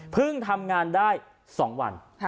ทำงานได้๒วัน